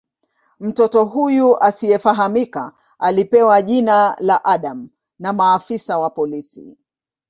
Mtoto huyu asiyefahamika alipewa jina la "Adam" na maafisa wa polisi.